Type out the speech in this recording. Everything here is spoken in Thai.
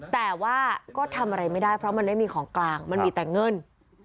แต่ว่าก็ทำอะไรไม่ได้เพราะมันไม่มีของกลางมันมีแต่เงิน